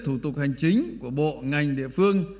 thủ tục hành chính của bộ ngành địa phương